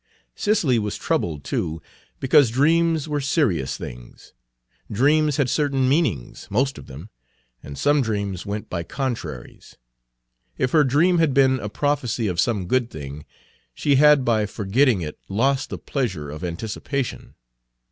Cicely was troubled, too, because dreams were serious things. Dreams had certain meanings, most of them, and some dreams went by contraries. If her dream had been a prophecy of some good thing, she had by forgetting it lost the pleasure of anticipation.